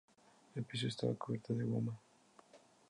El piso estaba cubierto de goma.